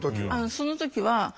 その時は。